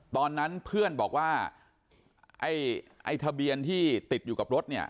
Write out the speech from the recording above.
ตอนนั้นเพื่อนบอกว่าไอ้ทะเบียนที่ติดอยู่กับรถเนี่ย